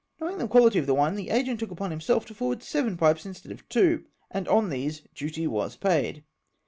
Knowing the quality of the wine, the agent took upon himself to forward seven pipes instead of two, and on these duty was paid.